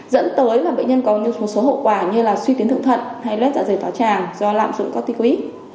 dẫn tới là bệnh nhân có một số hậu quả như là suy tiến thượng thận hay lết dạ dày tỏa tràng do lạm dụng corticoid